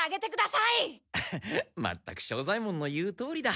まったく庄左ヱ門の言うとおりだ。